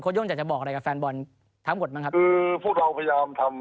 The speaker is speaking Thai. โย่งอยากจะบอกอะไรกับแฟนบอลทั้งหมดบ้างครับคือพวกเราพยายามทำ